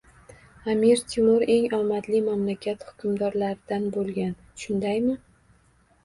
Amir Temur eng omadli mamlakat hukmdorlaridan boʻlgan, shundaymi?